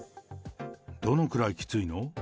どのくらいきついの？